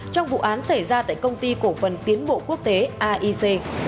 trong vụ án xảy ra tại công ty cổ phần tiến bộ quốc tế aic